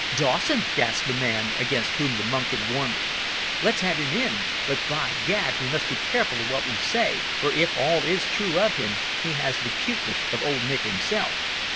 "Dawson!" gasped the man against whom the monk had warned me. "Let's have him in. But, by Gad! we must be careful of what we say, for, if all is true of him, he has the cuteness of Old Nick himself."